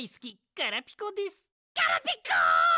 ガラピコ！